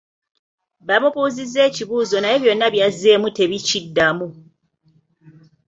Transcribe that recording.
Bamubuuzizza ekibuuzo naye byonna byazzeemu tebikiddamu.